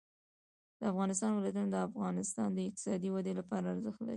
د افغانستان ولايتونه د افغانستان د اقتصادي ودې لپاره ارزښت لري.